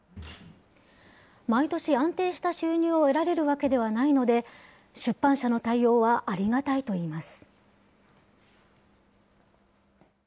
毎年、安定した収入を得られるわけではないので、出版社の対応はありがたいといいます。